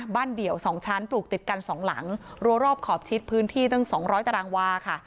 เดี่ยว๒ชั้นปลูกติดกันสองหลังรัวรอบขอบชิดพื้นที่ตั้ง๒๐๐ตารางวาค่ะ